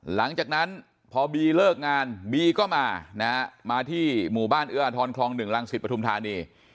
หลังจากนั้นพอบีเลิกงานบีก็มานะฮะมาที่หมู่บ้านเอื้ออทรคลอง๑รังสิตปฐุมธานี